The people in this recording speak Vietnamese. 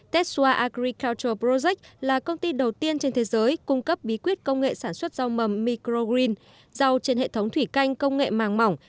tetsua agri culture projec là công ty đầu tiên trên thế giới cung cấp bí quyết công nghệ sản xuất rau mầm microgreen rau trên hệ thống thủy canh công nghệ màng mỏng